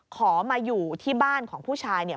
ขอมาอยู่ที่บ้านของผู้ชายเนี่ย